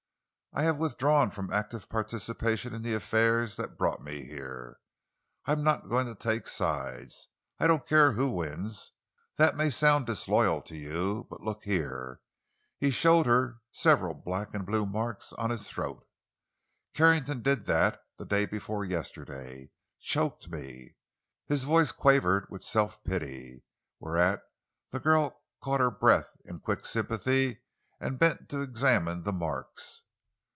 I have withdrawn from active participation in the affairs that brought me here. I am not going to take sides. I don't care who wins. That may sound disloyal to you—but look here!" He showed her several black and blue marks on his throat. "Carrington did that—the day before yesterday. Choked me." His voice quavered with self pity, whereat the girl caught her breath in quick sympathy and bent to examine the marks.